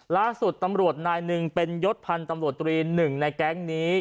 ล่าสุดตำรวจนายหนึ่งเป็นยศพันธ์ตำรวจตรีหนึ่งในแก๊งนี้